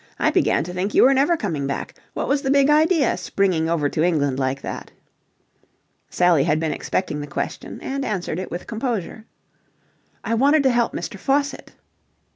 "I began to think you were never coming back. What was the big idea, springing over to England like that?" Sally had been expecting the question, and answered it with composure. "I wanted to help Mr. Faucitt."